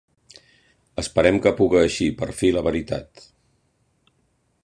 Esperem que puga eixir per fi la veritat.